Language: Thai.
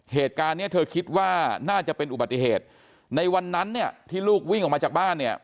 เหตุการณ์เนี้ยเธอคิดว่าน่าจะเป็นอุบัติเหตุในวันนั้นเนี่ยที่ลูกวิ่งออกมาจากบ้านเนี่ย